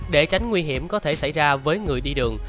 để tránh nguy hiểm có thể xảy ra với người đi đường